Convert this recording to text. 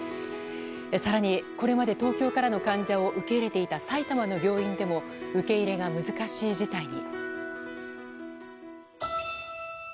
更にこれまで東京からの患者を受け入れていた埼玉の病院でも受け入れが難しい事態に。